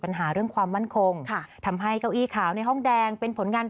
ปัญหาเรื่องความมั่นคงค่ะทำให้เก้าอี้ขาวในห้องแดงเป็นผลงาน